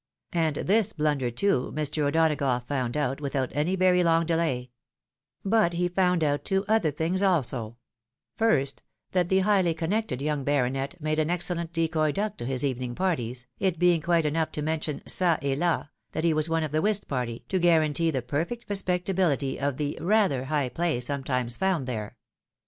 And this blunder, too, Mr. O'Donagough found out, without any very long delay ; but he found out two other things also ; first, that the highly connected young baronet made an excellent decoy duck to his evening parties, it being quite enough to mention, ga et la, that he was one of the whist party, to guarantee the perfect respectability of the rather high play sometimes found there.